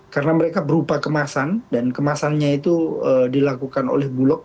karena mereka berupa kemasan dan kemasannya itu dilakukan oleh bulog